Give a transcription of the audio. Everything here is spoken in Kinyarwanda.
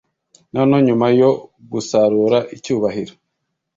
noneho, nyuma yo gusarura icyubahiro